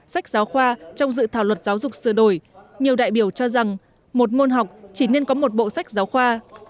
sách giáo khoa trong dự thảo luật giáo dục sửa đổi nhiều đại biểu cho rằng một môn học chỉ nên có một bộ sách giáo khoa